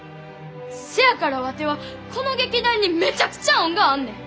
せやからワテはこの劇団にめちゃくちゃ恩があんねん。